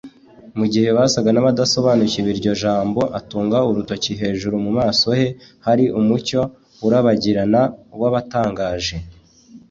Mu gihe basaga n’abadasobanukiwe iryo jambo, atunga urutoki hejuru. Mu maso he hari umucyo urabagirana wabatangaje.